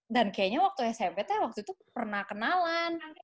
dan kayaknya waktu smp tuh waktu itu pernah kenalan